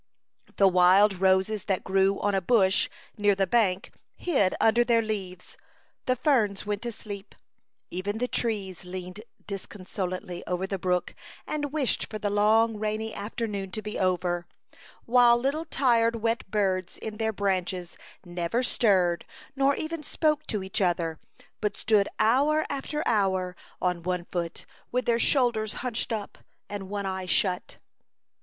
The wild roses that grew on a bush near the bank hid under their leaves. The ferns went to sleep; even the trees leaned disconsolately over the brook and wished for the long, 6 A Chautauqua Idyl. rainy afternoon to be over, while little tired wet birds in their branches never stirred, nor even spoke to each other, but stood hour after hour on one foot, with their shoulders hunched up, and one eye shut.